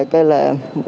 mới thở về